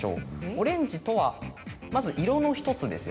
オレンジとはまず色の１つですよね。